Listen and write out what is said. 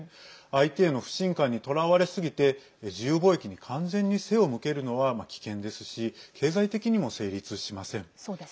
相手への不信感にとらわれすぎて自由貿易に完全に背を向けるのは危険ですし経済的にも成立しません。